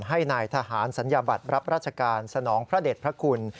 ให้นายทหารสัญญาบัตรรับราชการสนองพระเด็จพระคุณ